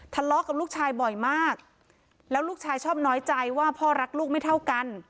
ทะเลาะกับลูกชายบ่อยมากแล้วลูกชายชอบน้อยใจว่าพ่อรักลูกไม่เท่ากัน